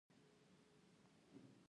ایا ستاسو مکتب نږدې دی؟